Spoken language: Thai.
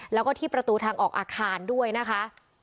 แล้วก็ที่ประตูทางออกอาคารด้วยนะคะ